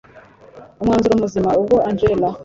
umwanzuro muzima ubwo angella